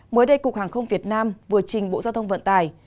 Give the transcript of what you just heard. mới đây cục hàng không việt nam vừa trình bộ giao thông vận tải